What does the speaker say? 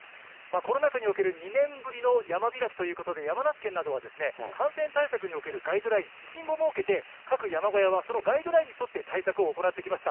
コロナ禍における２年ぶりの山開きということで、山梨県などは、感染対策におけるガイドラインの指針を設けて、各山小屋はそのガイドラインに沿って対策を行ってきました。